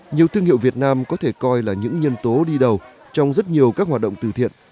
nhiều thương hiệu việt nam có thể coi là những nhân tố đi đầu trong rất nhiều các hoạt động từ thiện